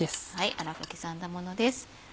粗く刻んだものです。